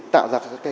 tạo ra các kết quả